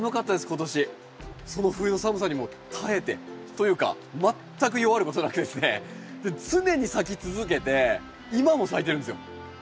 今年その冬の寒さにも耐えてというか全く弱ることなくですね常に咲き続けて今も咲いてるんですよ。